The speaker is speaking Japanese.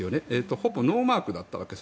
ほぼノーマークだったわけです。